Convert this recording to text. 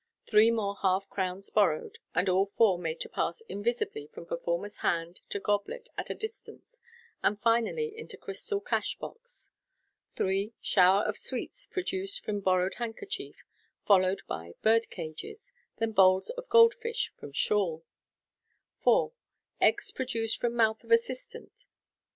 Three more half crowns borrowed, and all four made to pass invisibly from performer's hand goblet at a distance {page 200), and finally into crystal cash box (page 487). 3. Shower of sweets produced from borrowed handkerchief (page 25 1), followed by bird cages {page 311). Then bowls of gold fish from shawl (page 371). 4. Eggs produced from mouth of assistant (page 329).